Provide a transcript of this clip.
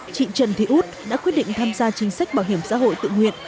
chị trần thị út đã quyết định tham gia chính sách bảo hiểm xã hội tự nguyện